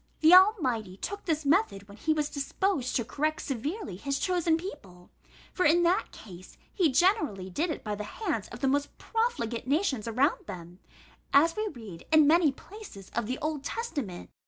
The Almighty took this method when he was disposed to correct severely his chosen people; for, in that case, he generally did it by the hands of the most profligate nations around them, as we read in many places of the Old Testament.